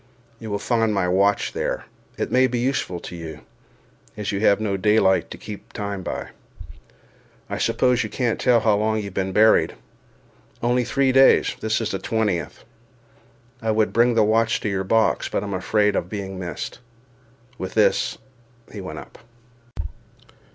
You will find my watch there—it may be useful to you, as you have no daylight to keep time by. I suppose you can't tell how long you have been buried—only three days—this is the twentieth. I would bring the watch to your box, but am afraid of being missed." With this he went up.